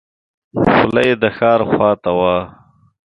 خوله یې د ښار خواته وه.